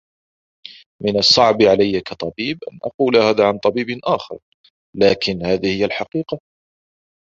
من الصّعب عليّ كطبيب أن أقول هذا عن طبيب آخر، لكن هذه هي الحقيقة.